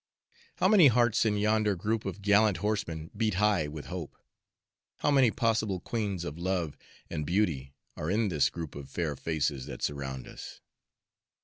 How many hearts in yonder group of gallant horsemen beat high with hope! How many possible Queens of Love and Beauty are in this group of fair faces that surround us!"